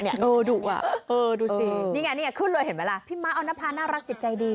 ดูสินี่ไงนี่ไงขึ้นเลยเห็นไหมล่ะพี่ม้าออนภาน่ารักจิตใจดี